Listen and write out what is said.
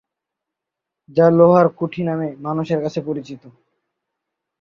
যা লোহার কুঠি নামে মানুষের কাছে পরিচিত।